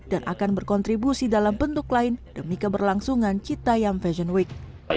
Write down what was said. dan akan berkontribusi dalam bentuk lain demi keberlangsungan cita yang fashion week